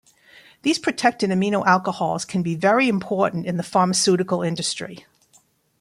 These protected amino alcohols can be very important in the pharmaceutical industry.